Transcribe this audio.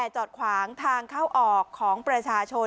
จอดขวางทางเข้าออกของประชาชน